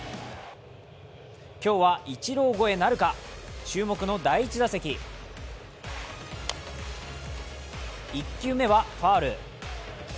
今日は、イチロー超えなるか注目の第１打席１球目はファウル。